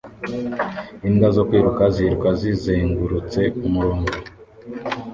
Imbwa zo kwiruka ziruka zizengurutse umurongo